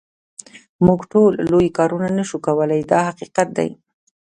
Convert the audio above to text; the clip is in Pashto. موږ ټول لوی کارونه نه شو کولای دا حقیقت دی.